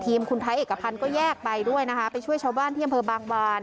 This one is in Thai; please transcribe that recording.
คุณไทยเอกพันธ์ก็แยกไปด้วยนะคะไปช่วยชาวบ้านที่อำเภอบางบาน